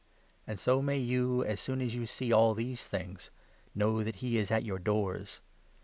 And so may you, as soon as you see all these things, 33 know that he is at your doors.